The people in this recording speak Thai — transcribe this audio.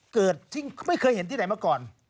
ที่ไม่เคยเห็นที่ไหนมาก่อน